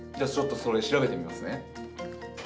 それを調べてみますね。